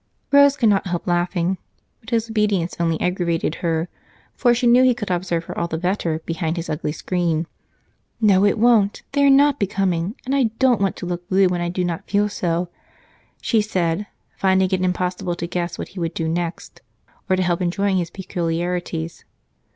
Rose could not help laughing, but his obedience only aggravated her, for she knew he could observe her all the better behind his ugly screen. "No, it won't they are not becoming, and I don't want to look blue when I do not feel so," she said, finding it impossible to guess what he would do next or to help enjoying his peculiarities.